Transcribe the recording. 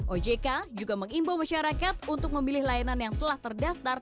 ojk juga mengimbau masyarakat untuk memilih layanan yang telah terdaftar